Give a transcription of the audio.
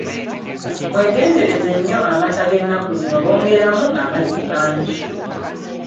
Mwegendereze nnyo amata g'ennaku zino bongeramu amazzi mangi.